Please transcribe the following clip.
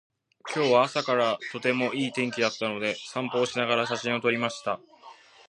今日は朝からとてもいい天気だったので、散歩をしながら写真を撮りました。